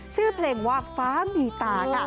ชื่อเพลงว่าฟ้ามีตาค่ะ